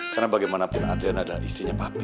karena bagaimana kalau adriana adalah istrinya papi